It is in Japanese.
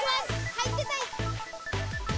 入ってたい。